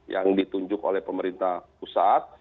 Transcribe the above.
yang ditunjuk oleh pemerintah pusat